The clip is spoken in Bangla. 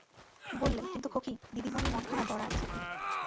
বললে, কিন্তু খোঁখী, দিদিমণির মনখানা দরাজ।